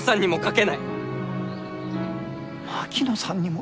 槙野さんにも。